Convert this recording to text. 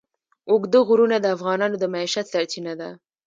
اوږده غرونه د افغانانو د معیشت سرچینه ده.